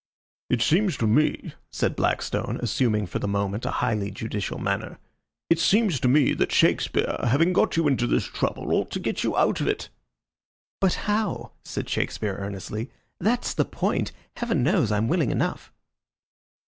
"It seems to me," said Blackstone, assuming for the moment a highly judicial manner "it seems to me that Shakespeare, having got you into this trouble, ought to get you out of it." "But how?" said Shakespeare, earnestly. "That's the point. Heaven knows I'm willing enough."